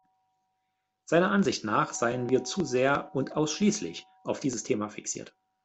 Seiner Ansicht nach seien wir zu sehr und ausschließlich auf dieses Thema fixiert.